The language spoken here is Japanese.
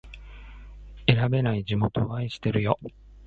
選べない地元を愛してるよ